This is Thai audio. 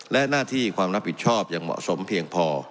และหน้าที่ความรับผิดชอบยังเหมาะสมเพียงพอ